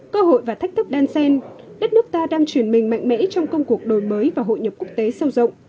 cơ hội và thách thức đan sen đất nước ta đang chuyển mình mạnh mẽ trong công cuộc đổi mới và hội nhập quốc tế sâu rộng